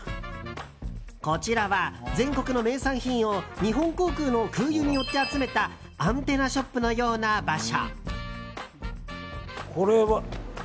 こちらは全国の名産品を日本航空の空輸によって集めたアンテナショップのような場所。